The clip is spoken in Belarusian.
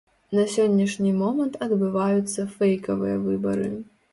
На сённяшні момант адбываюцца фэйкавыя выбары.